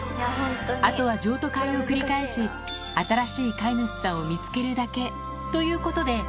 あとは譲渡会を繰り返し、新しい飼い主さんを見つけるだけということで。